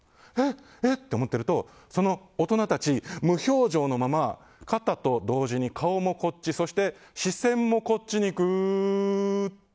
えっ？と思ってると大人たち、無表情のまま肩と同時に、顔もこっちそして視線もこっちに、クー。